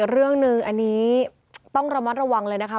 เรื่องหนึ่งอันนี้ต้องระมัดระวังเลยนะคะ